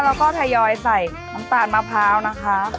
แล้วก็ทยอยใส่น้ำตาลมะพร้าวนะคะ